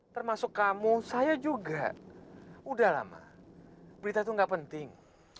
termasuk kamu saya juga udah lama berita itu gak penting